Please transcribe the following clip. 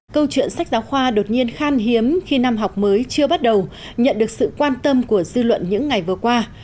câu chuyện sách giáo khoa đột nhiên khan hiếm khi năm học mới chưa bắt đầu nhận được sự quan tâm của dư luận những ngày vừa qua